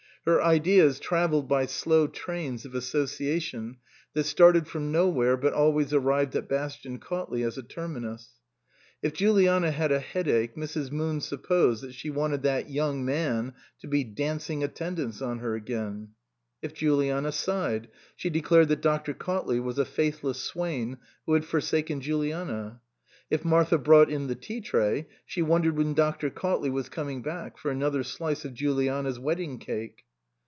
Her ideas travelled by slow trains of association that started from nowhere but always arrived at Bastian Cautley as a terminus. If Juliana had a headache Mrs. Moon supposed that she wanted that young man to be dancing attend ance on her again ; if Juliana sighed she de clared that Dr. Cautley was a faithless swain who had forsaken Juliana; if Martha brought in the tea tray she wondered when Dr. Cautley was coming back for another slice of Juliana's wedding cake.